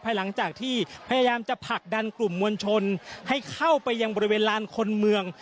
หลังจากที่พยายามจะผลักดันกลุ่มมวลชนให้เข้าไปยังบริเวณลานคนเมือง